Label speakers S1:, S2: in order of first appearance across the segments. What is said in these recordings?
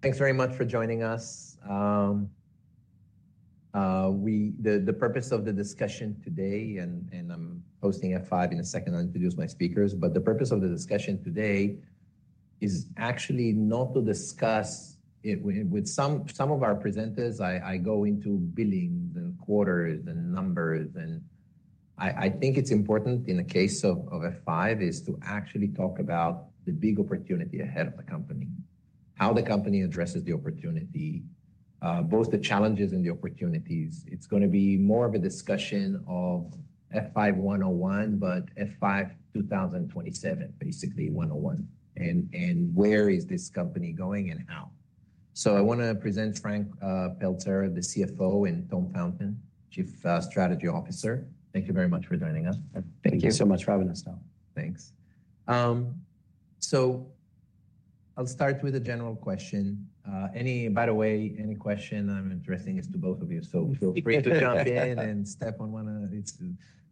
S1: Thanks very much for joining us. The purpose of the discussion today, and I'm posting F5 in a second, I'll introduce my speakers, but the purpose of the discussion today is actually not to discuss it. With some of our presenters, I go into billings and quarters and numbers, and I think it's important in the case of F5 is to actually talk about the big opportunity ahead of the company, how the company addresses the opportunity, both the challenges and the opportunities. It's gonna be more of a discussion of F5 101, but F5 2027, basically 101, and where is this company going and how? So I wanna present Frank Pelzer, the CFO, and Tom Fountain, Chief Strategy Officer. Thank you very much for joining us.
S2: Thank you.
S3: Thank you so much for having us, though.
S1: Thanks. So I'll start with a general question. By the way, any question I'm addressing is to both of you, so feel free to jump in and step on one another.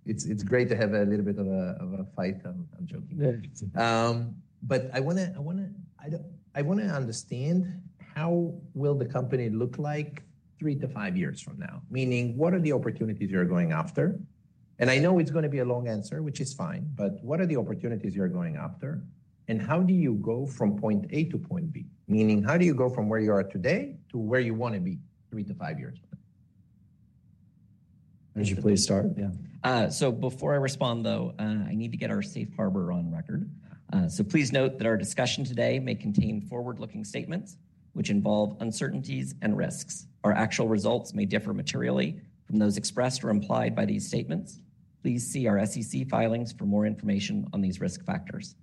S1: It's great to have a little bit of a fight. I'm joking. But I wanna understand, how will the company look like 3-5 years from now? Meaning, what are the opportunities you're going after? And I know it's gonna be a long answer, which is fine, but what are the opportunities you're going after, and how do you go from point A to point B? Meaning, how do you go from where you are today to where you wanna be 3-5 years from now?
S3: Would you please start?
S2: Yeah. So before I respond, though, I need to get our safe harbor on record. So please note that our discussion today may contain forward-looking statements, which involve uncertainties and risks, or actual results may differ materially from those expressed or implied by these statements. Please see our SEC filings for more information on these risk factors.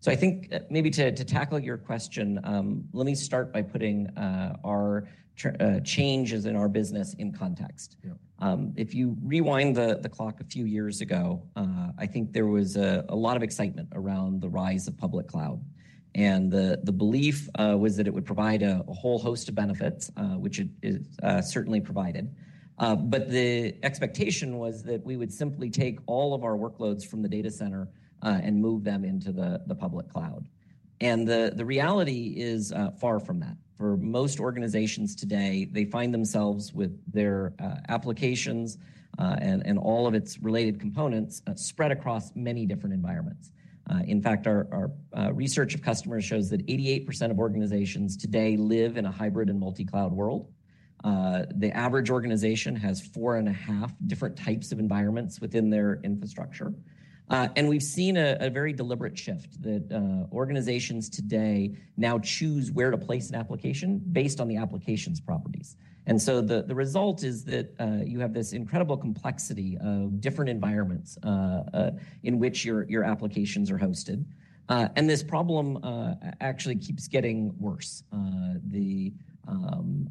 S2: So I think, maybe to tackle your question, let me start by putting our changes in our business in context.
S1: Yeah.
S2: If you rewind the clock a few years ago, I think there was a lot of excitement around the rise of public cloud, and the belief was that it would provide a whole host of benefits, which it certainly provided. But the expectation was that we would simply take all of our workloads from the data center and move them into the public cloud. The reality is far from that. For most organizations today, they find themselves with their applications and all of its related components spread across many different environments. In fact, our research of customers shows that 88% of organizations today live in a hybrid and multi-cloud world. The average organization has 4.5 different types of environments within their infrastructure. And we've seen a very deliberate shift that organizations today now choose where to place an application based on the application's properties. And so the result is that you have this incredible complexity of different environments in which your applications are hosted. And this problem actually keeps getting worse.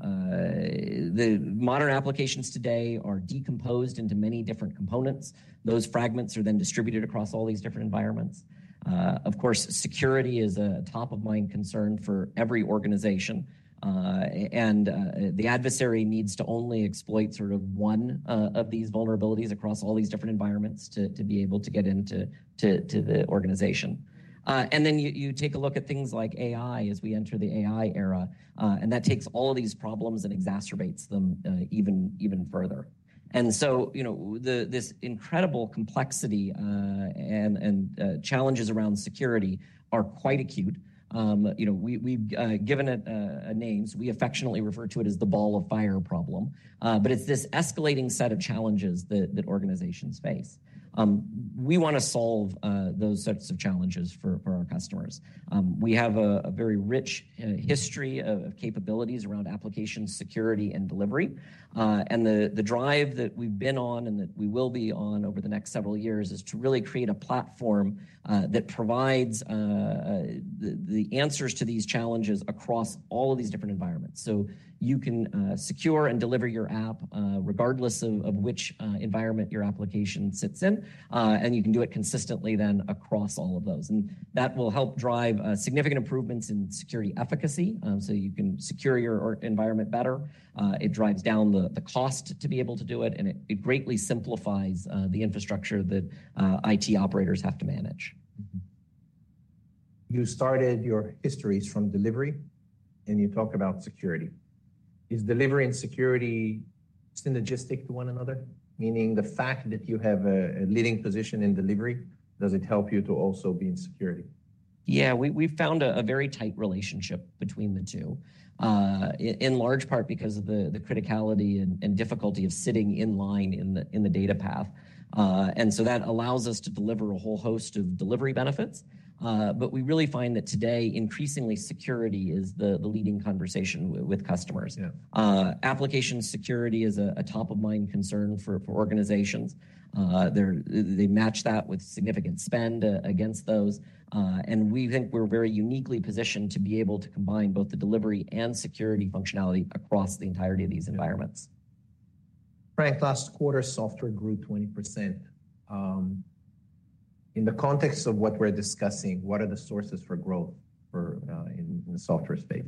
S2: The modern applications today are decomposed into many different components. Those fragments are then distributed across all these different environments. Of course, security is a top-of-mind concern for every organization, and the adversary needs to only exploit sort of one of these vulnerabilities across all these different environments to be able to get into the organization. And then you take a look at things like AI, as we enter the AI era, and that takes all of these problems and exacerbates them, even further. And so, you know, this incredible complexity and challenges around security are quite acute. You know, we've given it a name, so we affectionately refer to it as the ball of fire problem, but it's this escalating set of challenges that organizations face. We wanna solve those sets of challenges for our customers. We have a very rich history of capabilities around application security and delivery. The drive that we've been on and that we will be on over the next several years is to really create a platform that provides the answers to these challenges across all of these different environments. So you can secure and deliver your app regardless of which environment your application sits in, and you can do it consistently then across all of those. And that will help drive significant improvements in security efficacy, so you can secure your environment better. It drives down the cost to be able to do it, and it greatly simplifies the infrastructure that IT operators have to manage.
S1: Mm-hmm. You started your history from delivery, and you talk about security. Is delivery and security synergistic to one another? Meaning the fact that you have a, a leading position in delivery, does it help you to also be in security?
S2: Yeah, we've found a very tight relationship between the two, in large part because of the criticality and difficulty of sitting in line in the data path. And so that allows us to deliver a whole host of delivery benefits, but we really find that today, increasingly, security is the leading conversation with customers.
S1: Yeah.
S2: Application security is a top-of-mind concern for organizations. They match that with significant spend against those, and we think we're very uniquely positioned to be able to combine both the delivery and security functionality across the entirety of these environments.
S1: Frank, last quarter, software grew 20%. In the context of what we're discussing, what are the sources for growth for in the software space?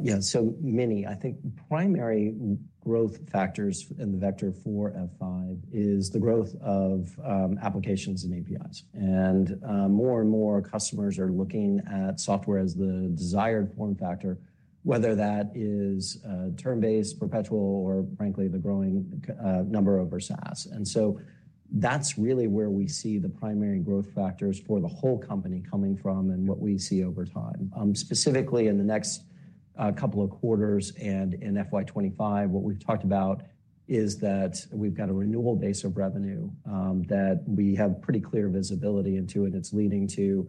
S3: Yeah, so many. I think primary growth factors in the vector for F5 is the growth of applications and APIs. More and more customers are looking at software as the desired form factor, whether that is term-based, perpetual, or frankly, the growing number of SaaS. And so that's really where we see the primary growth factors for the whole company coming from and what we see over time. Specifically in the next couple of quarters and in FY 2025, what we've talked about is that we've got a renewal base of revenue that we have pretty clear visibility into, and it's leading to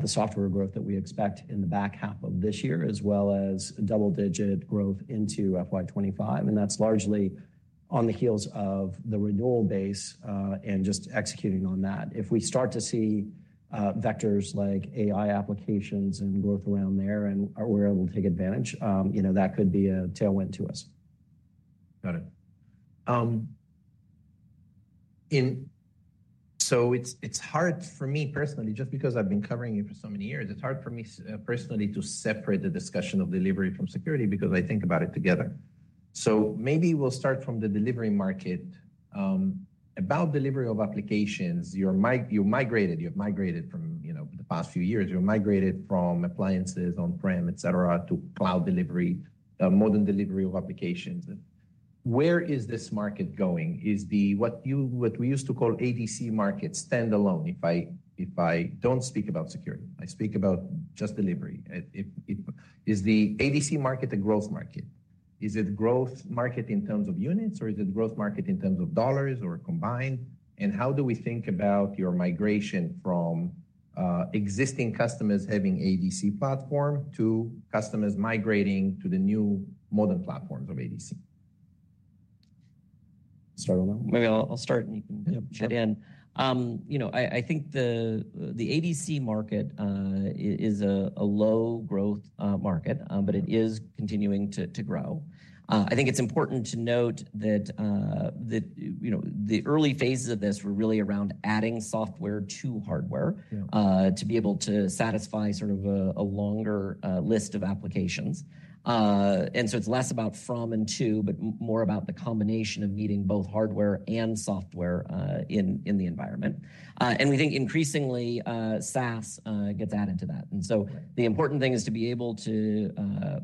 S3: the software growth that we expect in the back half of this year, as well as double-digit growth into FY 2025. That's largely on the heels of the renewal base, and just executing on that. If we start to see vectors like AI applications and growth around there, and we're able to take advantage, you know, that could be a tailwind to us.
S1: Got it. So it's hard for me personally, just because I've been covering you for so many years, it's hard for me personally to separate the discussion of delivery from security because I think about it together. So maybe we'll start from the delivery market. About delivery of applications, you migrated, you've migrated from, you know, the past few years, you've migrated from appliances on-prem, et cetera, to cloud delivery, modern delivery of applications. And where is this market going? What we used to call ADC market, stand alone? If I don't speak about security, I speak about just delivery. Is the ADC market a growth market? Is it growth market in terms of units, or is it growth market in terms of dollars or combined? How do we think about your migration from existing customers having ADC platform to customers migrating to the new modern platforms of ADC standalone?
S2: Maybe I'll start, and you can chip in.
S3: Yeah.
S2: You know, I think the ADC market is a low growth market, but it is continuing to grow. I think it's important to note that, you know, the early phases of this were really around adding software to hardware-
S1: Yeah...
S2: to be able to satisfy sort of a longer list of applications. And so it's less about from and to, but more about the combination of needing both hardware and software in the environment. And we think increasingly, SaaS gets added to that. And so-
S1: Right...
S2: the important thing is to be able to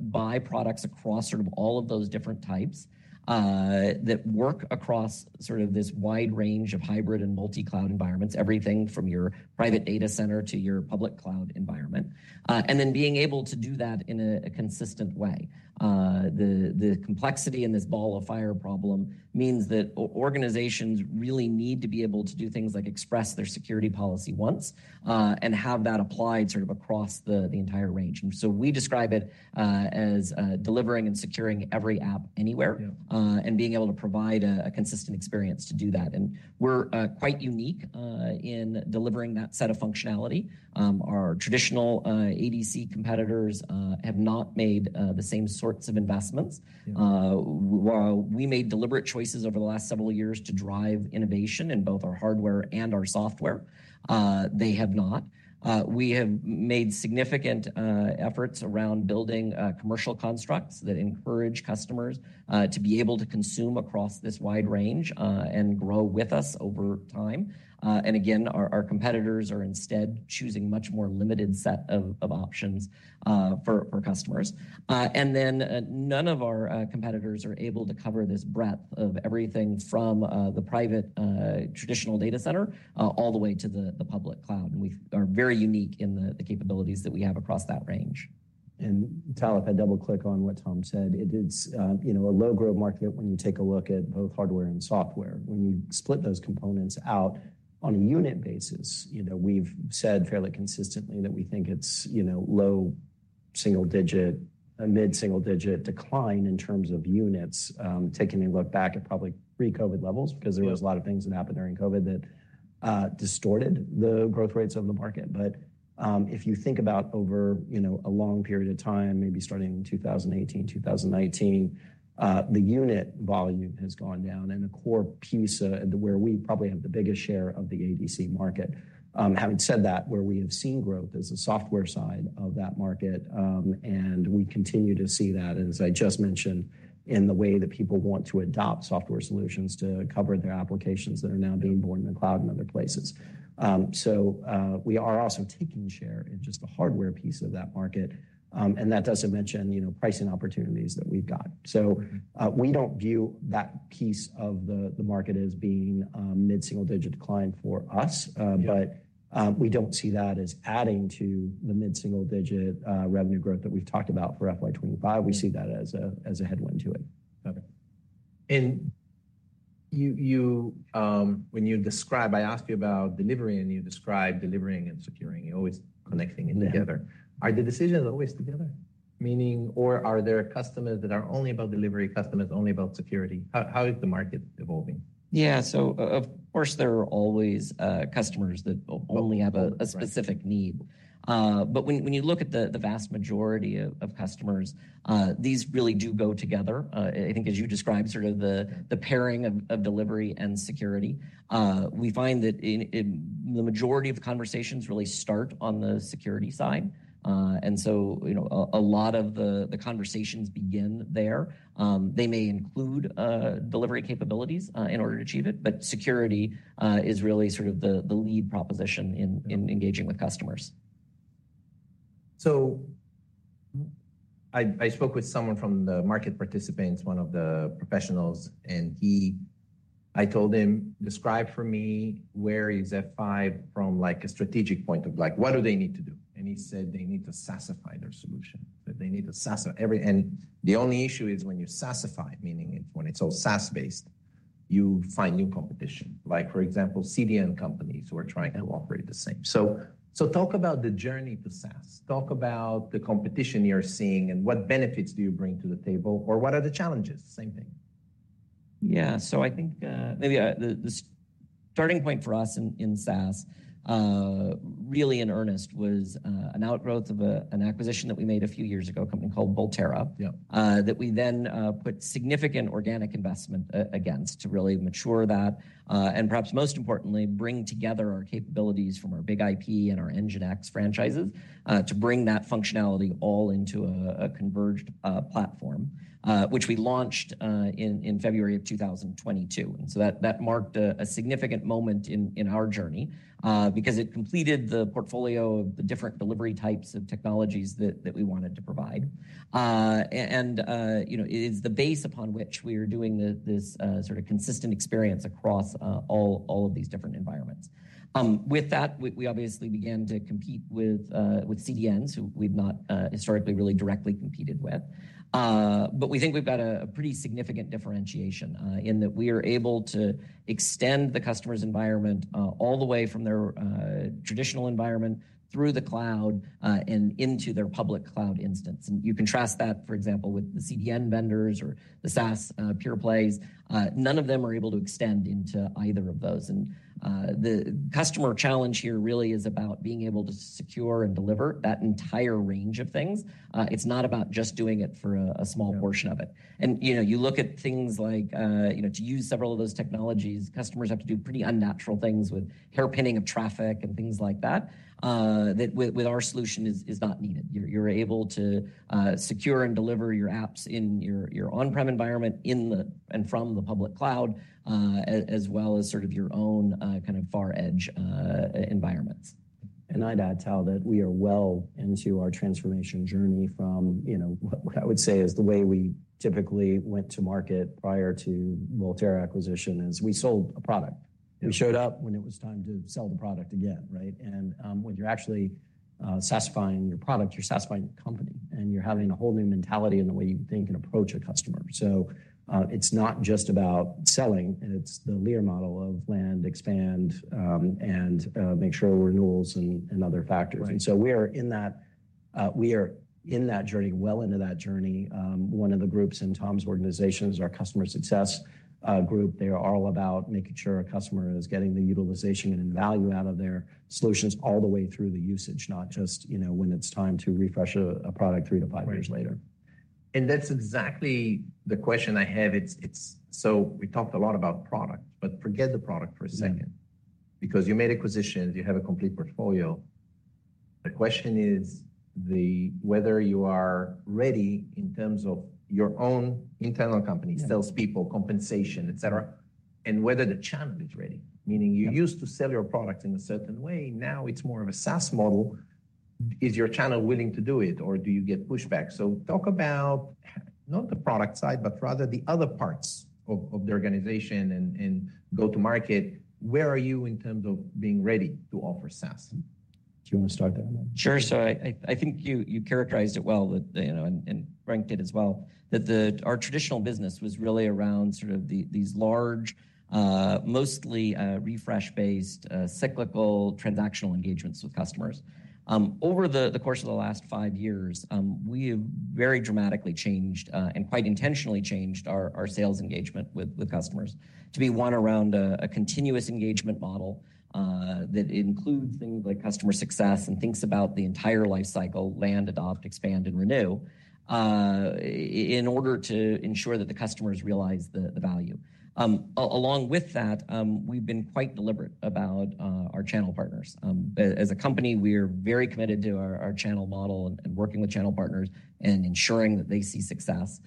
S2: buy products across sort of all of those different types that work across sort of this wide range of hybrid and multi-cloud environments, everything from your private data center to your public cloud environment, and then being able to do that in a consistent way. The complexity in this ball of fire problem means that organizations really need to be able to do things like express their security policy once, and have that applied sort of across the entire range. So we describe it as delivering and securing every app anywhere-
S1: Yeah...
S2: and being able to provide a consistent experience to do that. And we're quite unique in delivering that set of functionality. Our traditional ADC competitors have not made the same sorts of investments.
S1: Yeah.
S2: While we made deliberate choices over the last several years to drive innovation in both our hardware and our software, they have not. We have made significant efforts around building commercial constructs that encourage customers to be able to consume across this wide range and grow with us over time. And again, our competitors are instead choosing much more limited set of options for customers. And then, none of our competitors are able to cover this breadth of everything from the private traditional data center all the way to the public cloud. And we are very unique in the capabilities that we have across that range.
S3: And Tal, if I double-click on what Tom said, it is, you know, a low-growth market when you take a look at both hardware and software. When you split those components out on a unit basis, you know, we've said fairly consistently that we think it's, you know, low single digit, a mid-single-digit decline in terms of units, taking a look back at probably pre-COVID levels, because there was a lot of things that happened during COVID that distorted the growth rates of the market. But, if you think about over, you know, a long period of time, maybe starting in 2018, 2019, the unit volume has gone down and the core piece, where we probably have the biggest share of the ADC market. Having said that, where we have seen growth is the software side of that market, and we continue to see that, as I just mentioned, in the way that people want to adopt software solutions to cover their applications that are now being born in the cloud and other places. So, we are also taking share in just the hardware piece of that market, and that doesn't mention, you know, pricing opportunities that we've got. So, we don't view that piece of the, the market as being a mid-single-digit decline for us-
S1: Yeah...
S3: but, we don't see that as adding to the mid-single-digit revenue growth that we've talked about for FY 2025. We see that as a headwind to it.
S1: Okay. When you describe, I asked you about delivery, and you described delivering and securing, you're always connecting it together. Are the decisions always together? Meaning, or are there customers that are only about delivery, customers only about security? How is the market evolving?
S2: Yeah, so of course, there are always customers that only have a specific need. But when you look at the vast majority of customers, these really do go together. I think as you described, sort of the pairing of delivery and security, we find that in the majority of the conversations really start on the security side. And so, you know, a lot of the conversations begin there. They may include delivery capabilities in order to achieve it, but security is really sort of the lead proposition in engaging with customers.
S1: So I, I spoke with someone from the market participants, one of the professionals, and he—I told him, "Describe for me where is F5 from, like, a strategic point of, like, what do they need to do?" And he said, "They need to SaaSify their solution, that they need to SaaS every..." And the only issue is when you SaaSify, meaning it's when it's all SaaS-based, you find new competition. Like, for example, CDN companies who are trying to operate the same. So, so talk about the journey to SaaS. Talk about the competition you're seeing, and what benefits do you bring to the table, or what are the challenges? Same thing.
S2: Yeah. So I think, maybe, the starting point for us in SaaS really in earnest was an outgrowth of an acquisition that we made a few years ago, a company called Volterra.
S1: Yeah.
S2: That we then put significant organic investment against to really mature that, and perhaps most importantly, bring together our capabilities from our BIG-IP and our NGINX franchises, to bring that functionality all into a converged platform, which we launched in February of 2022. And so that marked a significant moment in our journey, because it completed the portfolio of the different delivery types of technologies that we wanted to provide. And you know, it is the base upon which we are doing this sort of consistent experience across all of these different environments. With that, we obviously began to compete with CDNs, who we've not historically really directly competed with. But we think we've got a pretty significant differentiation in that we are able to extend the customer's environment all the way from their traditional environment through the cloud and into their public cloud instance. And you contrast that, for example, with the CDN vendors or the SaaS pure plays, none of them are able to extend into either of those. And the customer challenge here really is about being able to secure and deliver that entire range of things. It's not about just doing it for a small-
S1: Yeah...
S2: portion of it. You know, you look at things like, you know, to use several of those technologies, customers have to do pretty unnatural things with hairpinning of traffic and things like that, that with our solution is not needed. You're able to secure and deliver your apps in your on-prem environment, in the... and from the public cloud, as well as sort of your own kind of far edge environments.
S3: I'd add, Tal, that we are well into our transformation journey from, you know, what I would say is the way we typically went to market prior to Volterra acquisition, is we sold a product.
S1: Yeah.
S3: We showed up when it was time to sell the product again, right? And, when you're actually SaaSifying your product, you're SaaSifying your company, and you're having a whole new mentality in the way you think and approach a customer. So, it's not just about selling, and it's the LAER model of land, expand, and make sure renewals and other factors.
S1: Right.
S3: We are in that journey, well into that journey. One of the groups in Tom's organization is our customer success group. They are all about making sure a customer is getting the utilization and value out of their solutions all the way through the usage, not just, you know, when it's time to refresh a product three to five years later.
S1: Right. That's exactly the question I have. We talked a lot about product, but forget the product for a second.
S3: Mm-hmm.
S1: Because you made acquisitions, you have a complete portfolio. The question is whether you are ready in terms of your own internal company-
S3: Yeah...
S1: salespeople, compensation, et cetera, and whether the channel is ready.
S3: Yeah.
S1: Meaning you used to sell your product in a certain way, now it's more of a SaaS model. Is your channel willing to do it, or do you get pushback? So talk about not the product side, but rather the other parts of the organization and go to market. Where are you in terms of being ready to offer SaaS?
S3: Do you want to start that one?
S2: Sure. So I think you characterized it well, that, you know, and ranked it as well, that our traditional business was really around sort of these large mostly refresh-based cyclical transactional engagements with customers. Over the course of the last five years, we have very dramatically changed and quite intentionally changed our sales engagement with customers to be one around a continuous engagement model that includes things like customer success and thinks about the entire life cycle, land, adopt, expand, and renew, in order to ensure that the customers realize the value. Along with that, we've been quite deliberate about our channel partners. As a company, we are very committed to our channel model and working with channel partners and ensuring that they see success.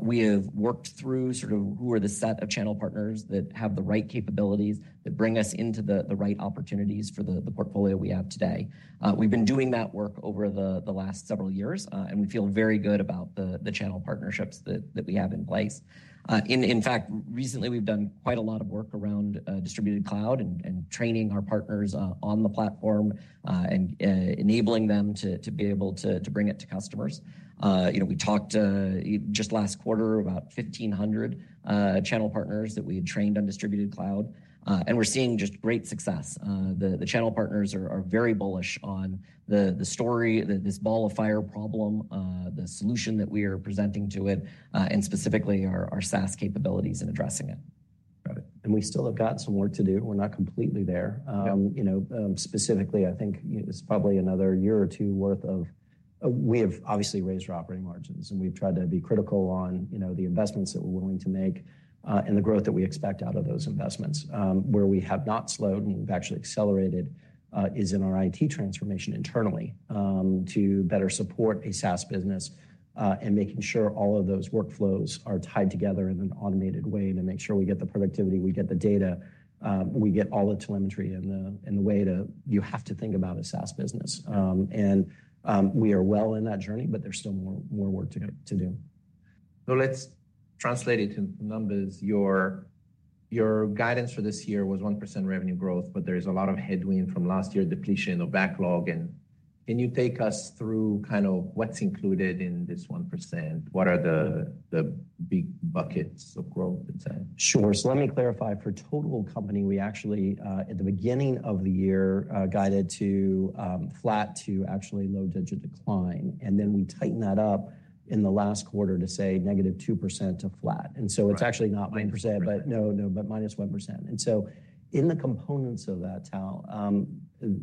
S2: We have worked through sort of who are the set of channel partners that have the right capabilities, that bring us into the right opportunities for the portfolio we have today. We've been doing that work over the last several years, and we feel very good about the channel partnerships that we have in place. In fact, recently, we've done quite a lot of work around distributed cloud and training our partners on the platform, and enabling them to be able to bring it to customers. You know, we talked just last quarter about 1,500 channel partners that we had trained on distributed cloud, and we're seeing just great success. The channel partners are very bullish on the story, this ball of fire problem, the solution that we are presenting to it, and specifically our SaaS capabilities in addressing it.
S1: Got it.
S2: We still have got some work to do. We're not completely there.
S1: Yeah.
S2: You know, specifically, I think it's probably another year or two worth of... We have obviously raised our operating margins, and we've tried to be critical on, you know, the investments that we're willing to make, and the growth that we expect out of those investments. Where we have not slowed, and we've actually accelerated, is in our IT transformation internally, to better support a SaaS business, and making sure all of those workflows are tied together in an automated way to make sure we get the productivity, we get the data, we get all the telemetry in the, in the way to you have to think about a SaaS business. And, we are well in that journey, but there's still more, more work to, to do.
S1: Yeah. So let's translate it in numbers. Your, your guidance for this year was 1% revenue growth, but there is a lot of headwind from last year, depletion of backlog, and can you take us through kind of what's included in this 1%? What are the, the big buckets of growth inside?
S3: Sure. So let me clarify. For total company, we actually, at the beginning of the year, guided to, flat to actually low single-digit decline, and then we tightened that up in the last quarter to, say, -2% to flat.
S1: Right.
S3: And so it's actually not 1%-
S1: -1%.
S3: But no, no, but -1%. And so in the components of that, Tal,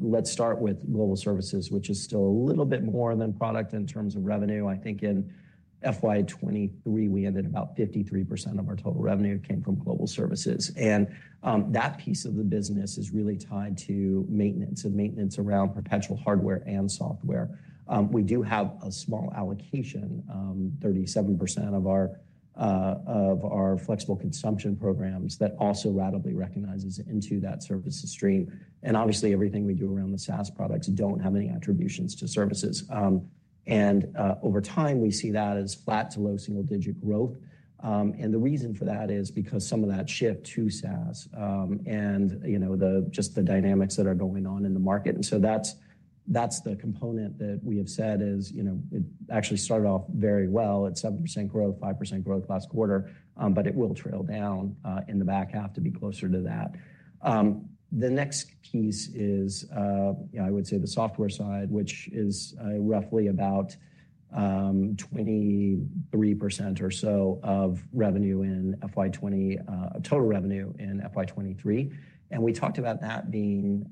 S3: let's start with global services, which is still a little bit more than product in terms of revenue. I think in FY 2023, we ended about 53% of our total revenue came from global services, and that piece of the business is really tied to maintenance, and maintenance around perpetual hardware and software. We do have a small allocation, 37% of our flexible consumption programs that also ratably recognizes into that services stream. And obviously, everything we do around the SaaS products don't have any attributions to services. And over time, we see that as flat to low single-digit growth. And the reason for that is because some of that shift to SaaS, and, you know, just the dynamics that are going on in the market. So that's, that's the component that we have said is, you know, it actually started off very well at 7% growth, 5% growth last quarter, but it will trail down in the back half to be closer to that. The next piece is, I would say the software side, which is, roughly about, 23% or so of revenue, total revenue in FY 2023. We talked about that being,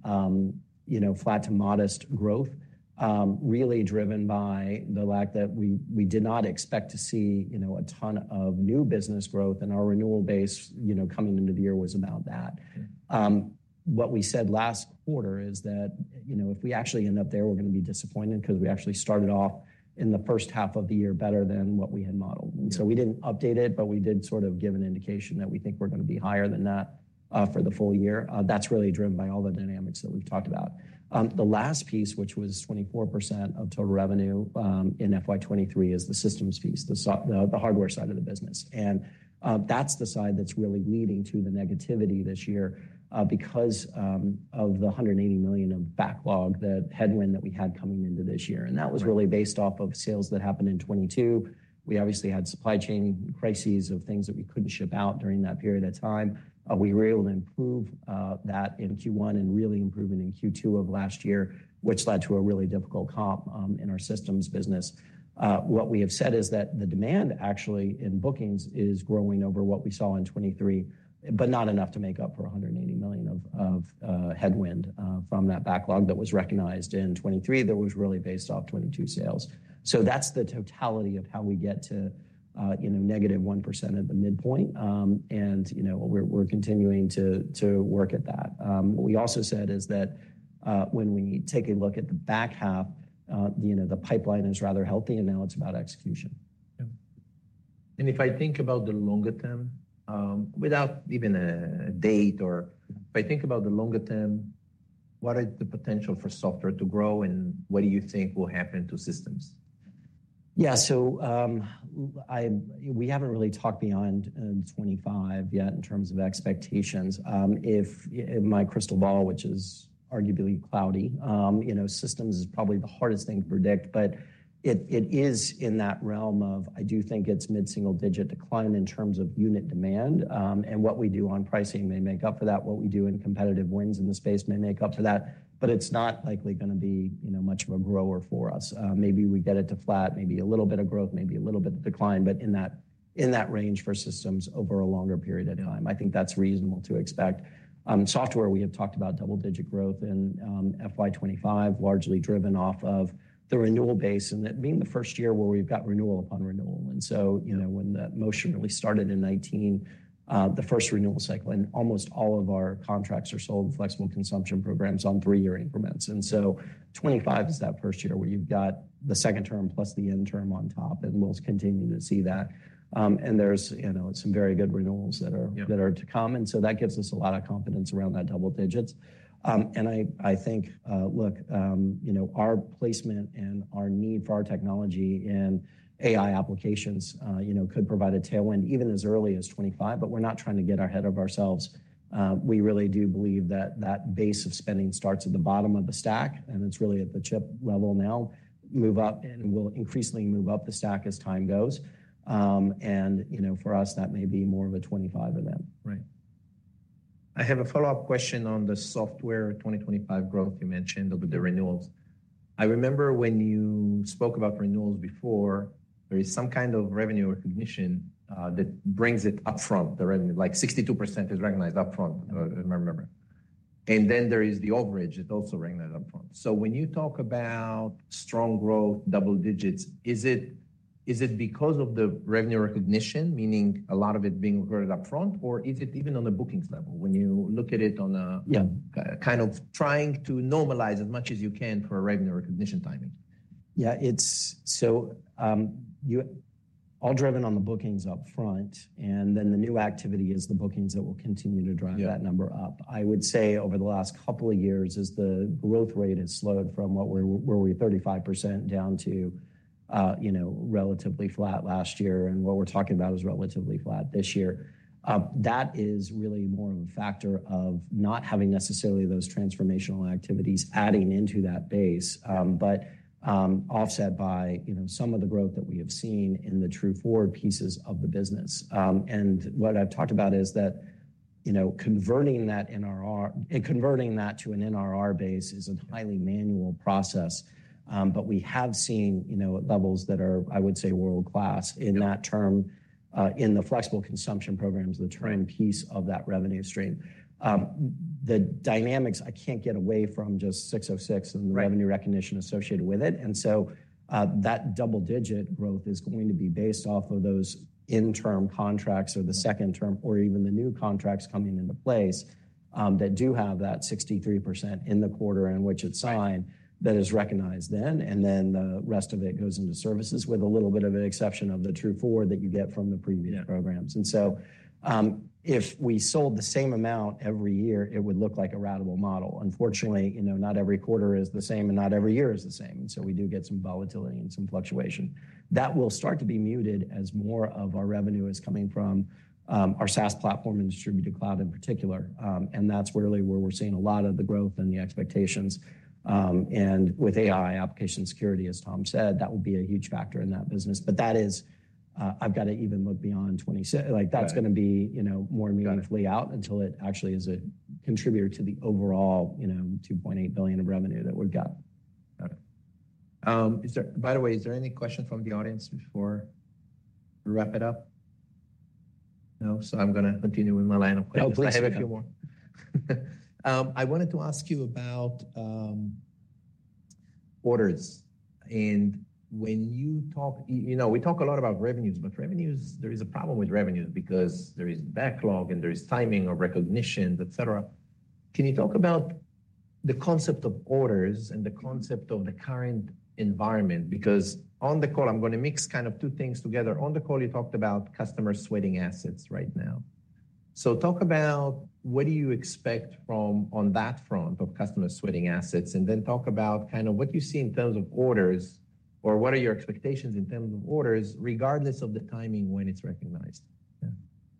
S3: you know, flat to modest growth, really driven by the fact that we did not expect to see, you know, a ton of new business growth, and our renewal base, you know, coming into the year was about that.
S1: Yeah.
S3: What we said last quarter is that, you know, if we actually end up there, we're gonna be disappointed because we actually started off in the first half of the year better than what we had modeled.
S1: Yeah.
S3: We didn't update it, but we did sort of give an indication that we think we're gonna be higher than that, for the full year. That's really driven by all the dynamics that we've talked about. The last piece, which was 24% of total revenue, in FY 2023, is the systems piece, the hardware side of the business. That's the side that's really leading to the negativity this year, because, of the $180 million of backlog, the headwind that we had coming into this year.
S1: Right.
S3: And that was really based off of sales that happened in 2022. We obviously had supply chain crises of things that we couldn't ship out during that period of time. We were able to improve that in Q1 and really improve it in Q2 of last year, which led to a really difficult comp in our systems business. What we have said is that the demand, actually, in bookings is growing over what we saw in 2023, but not enough to make up for $180 million of headwind from that backlog that was recognized in 2023, that was really based off 2022 sales. So that's the totality of how we get to, you know, -1% at the midpoint. And, you know, we're continuing to work at that. What we also said is that, when we take a look at the back half, you know, the pipeline is rather healthy, and now it's about execution.
S1: Yeah. If I think about the longer term, what is the potential for software to grow, and what do you think will happen to systems?
S3: Yeah. So, we haven't really talked beyond 25 yet in terms of expectations. If in my crystal ball, which is arguably cloudy, you know, systems is probably the hardest thing to predict, but it is in that realm of I do think it's mid-single-digit decline in terms of unit demand, and what we do on pricing may make up for that. What we do in competitive wins in the space may make up for that, but it's not likely gonna be, you know, much of a grower for us. Maybe we get it to flat, maybe a little bit of growth, maybe a little bit of decline, but in that range for systems over a longer period of time. I think that's reasonable to expect.... Software, we have talked about double-digit growth in FY 25, largely driven off of the renewal base, and that being the first year where we've got renewal upon renewal. And so, you know, when that motion really started in 19, the first renewal cycle, and almost all of our contracts are sold in flexible consumption programs on 3-year increments. And so 2025 is that first year where you've got the second term plus the end term on top, and we'll continue to see that. And there's, you know, some very good renewals that are-
S1: Yeah...
S3: that are to come, and so that gives us a lot of confidence around that double digits. And I, I think, look, you know, our placement and our need for our technology in AI applications, you know, could provide a tailwind even as early as 25, but we're not trying to get ahead of ourselves. We really do believe that that base of spending starts at the bottom of the stack, and it's really at the chip level now, move up, and will increasingly move up the stack as time goes. And, you know, for us, that may be more of a 25 event.
S1: Right. I have a follow-up question on the software 2025 growth you mentioned with the renewals. I remember when you spoke about renewals before, there is some kind of revenue recognition that brings it upfront, the revenue. Like, 62% is recognized upfront, if I remember. And then there is the overage, it's also recognized upfront. So when you talk about strong growth, double digits, is it, is it because of the revenue recognition, meaning a lot of it being recorded upfront, or is it even on the bookings level? When you look at it on a-
S3: Yeah...
S1: kind of trying to normalize as much as you can for a revenue recognition timing.
S3: Yeah, it's so you all driven on the bookings upfront, and then the new activity is the bookings that will continue to drive-
S1: Yeah...
S3: that number up. I would say over the last couple of years, as the growth rate has slowed from what we're, where we're 35% down to, you know, relatively flat last year, and what we're talking about is relatively flat this year. That is really more of a factor of not having necessarily those transformational activities adding into that base, but, offset by, you know, some of the growth that we have seen in the True forward pieces of the business. And what I've talked about is that, you know, converting that NRR, and converting that to an NRR base is a highly manual process, but we have seen, you know, levels that are, I would say, world-class-
S1: Yeah...
S3: in that term, in the flexible consumption programs, the term piece of that revenue stream. The dynamics, I can't get away from just 606-
S1: Right...
S3: and the revenue recognition associated with it. And so, that double-digit growth is going to be based off of those interim contracts or the second term, or even the new contracts coming into place, that do have that 63% in the quarter in which it's signed-
S1: Right ...
S3: that is recognized then, and then the rest of it goes into services with a little bit of an exception of the True Forward that you get from the premium programs.
S1: Yeah.
S3: And so, if we sold the same amount every year, it would look like a ratable model. Unfortunately, you know, not every quarter is the same, and not every year is the same, so we do get some volatility and some fluctuation. That will start to be muted as more of our revenue is coming from our SaaS platform and distributed cloud in particular. And that's really where we're seeing a lot of the growth and the expectations. And with AI application security, as Tom said, that will be a huge factor in that business. But that is, I've got to even look beyond 2026-- like-
S1: Got it...
S3: that's gonna be, you know, more meaningfully-
S1: Got it...
S3: out until it actually is a contributor to the overall, you know, $2.8 billion of revenue that we've got.
S1: Got it. By the way, is there any question from the audience before we wrap it up? No, so I'm gonna continue with my line of questions.
S3: No, please.
S1: I have a few more. I wanted to ask you about orders. And when you talk, you know, we talk a lot about revenues, but revenues, there is a problem with revenues because there is backlog and there is timing of recognition, et cetera. Can you talk about the concept of orders and the concept of the current environment? Because on the call, I'm gonna mix kind of two things together. On the call, you talked about customers sweating assets right now. So talk about what do you expect from, on that front of customers sweating assets, and then talk about kind of what you see in terms of orders, or what are your expectations in terms of orders, regardless of the timing when it's recognized? Yeah.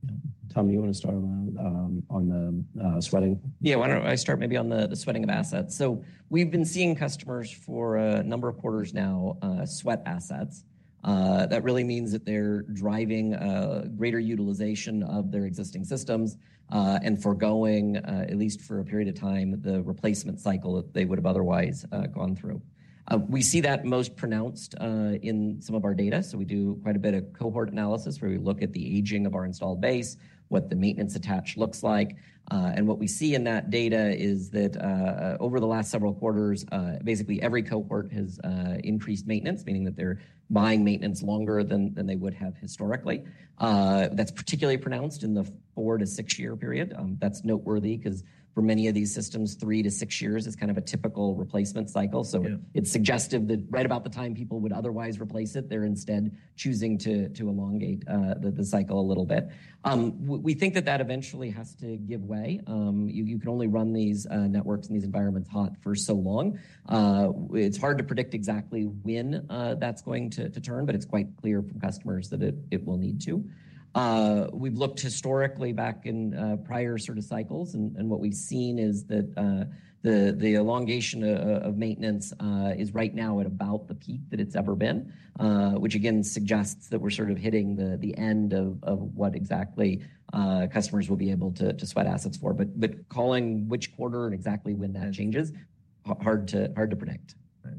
S3: Yeah. Tom, you want to start on the sweating?
S2: Yeah. Why don't I start maybe on the sweating of assets? So we've been seeing customers for a number of quarters now, sweat assets. That really means that they're driving greater utilization of their existing systems, and forgoing, at least for a period of time, the replacement cycle that they would have otherwise gone through. We see that most pronounced in some of our data. So we do quite a bit of cohort analysis, where we look at the aging of our installed base, what the maintenance attach looks like. And what we see in that data is that, over the last several quarters, basically every cohort has increased maintenance, meaning that they're buying maintenance longer than they would have historically. That's particularly pronounced in the 4-6-year period. That's noteworthy 'cause for many of these systems, 3-6 years is kind of a typical replacement cycle.
S1: Yeah.
S2: So it's suggestive that right about the time people would otherwise replace it, they're instead choosing to elongate the cycle a little bit. We think that that eventually has to give way. You can only run these networks and these environments hot for so long. It's hard to predict exactly when that's going to turn, but it's quite clear from customers that it will need to. We've looked historically back in prior sort of cycles, and what we've seen is that the elongation of maintenance is right now at about the peak that it's ever been, which again suggests that we're sort of hitting the end of what exactly customers will be able to sweat assets for. But calling which quarter and exactly when that changes, hard to predict.
S3: Right.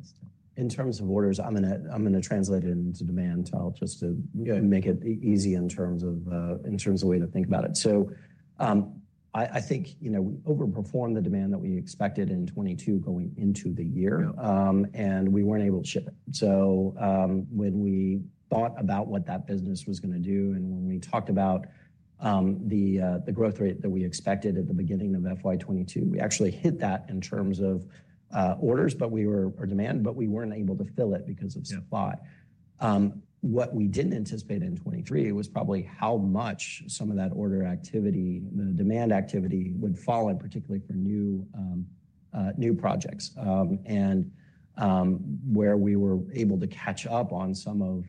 S3: In terms of orders, I'm gonna translate it into demand, Tal, just to-
S1: Yeah...
S3: make it easy in terms of, in terms of way to think about it. So, I think, you know, we overperformed the demand that we expected in 2022 going into the year.
S1: Yeah.
S3: We weren't able to ship it. So, when we thought about what that business was gonna do, and when we talked about the growth rate that we expected at the beginning of FY 2022, we actually hit that in terms of orders or demand, but we weren't able to fill it because of-
S1: Yeah...
S3: supply. What we didn't anticipate in 2023 was probably how much some of that order activity, the demand activity, would fall, and particularly for new projects. And where we were able to catch up on some of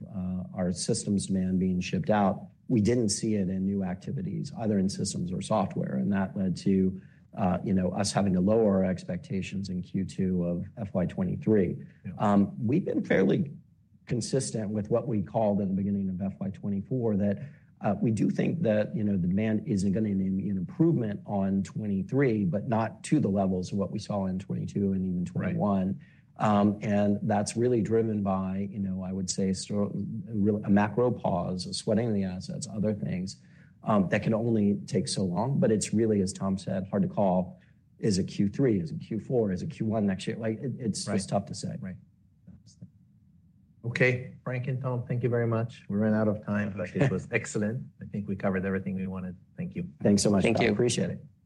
S3: our systems demand being shipped out, we didn't see it in new activities, either in systems or software, and that led to, you know, us having to lower our expectations in Q2 of FY 2023.
S1: Yeah.
S3: We've been fairly consistent with what we called at the beginning of FY 2024, that we do think that, you know, the demand is gonna be an improvement on 2023, but not to the levels of what we saw in 2022 and even 2021.
S1: Right.
S3: And that's really driven by, you know, I would say, sort of, a macro pause, a sweating of the assets, other things that can only take so long. But it's really, as Tom said, hard to call. Is it Q3? Is it Q4? Is it Q1 next year? Like, it, it's-
S1: Right...
S3: it's tough to say.
S1: Right. Absolutely. Okay, Frank and Tom, thank you very much. We ran out of time, but it was excellent. I think we covered everything we wanted. Thank you.
S3: Thanks so much, Tal.
S1: Thank you.
S3: Appreciate it.